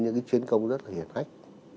những chiến công rất là hiệt ách